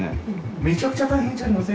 めちゃくちゃ大変じゃありません？